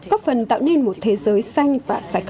góp phần tạo nên một thế giới xanh và sạch